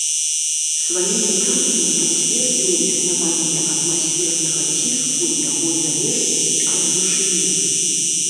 Сваімі працамі пацвердзіў існаванне атмасфернага ціску і яго залежнасць ад вышыні.